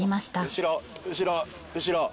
後ろ後ろ後ろ。